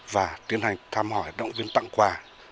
và tiến hành tham hỏi động viên tặng quà